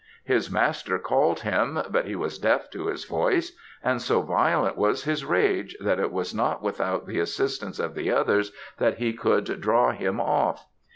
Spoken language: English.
His master called him, but he was deaf to his voice; and so violent was his rage that it was not without the assistance of the others that he could draw him off.